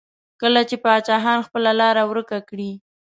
کله چې پاچاهان خپله لاره ورکه کړي.